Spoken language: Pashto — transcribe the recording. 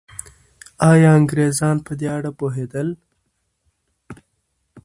ایا انګریزان په دې اړه پوهېدل؟